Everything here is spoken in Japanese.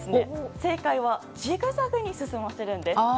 正解はジグザグに進ませるんです。